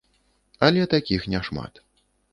Але такіх не шмат.